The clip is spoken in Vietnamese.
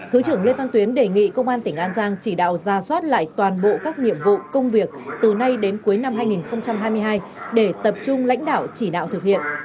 thứ trưởng lê văn tuyến đề nghị công an tỉnh an giang chỉ đạo ra soát lại toàn bộ các nhiệm vụ công việc từ nay đến cuối năm hai nghìn hai mươi hai để tập trung lãnh đạo chỉ đạo thực hiện